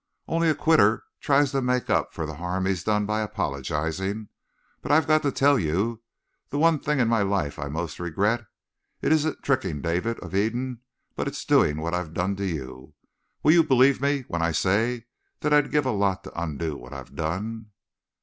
"Only a quitter tries to make up for the harm he's done by apologizing. But I've got to tell you the one thing in my life I most regret. It isn't tricking David of Eden, but it's doing what I've done to you. Will you believe me when I say that I'd give a lot to undo what I've done?"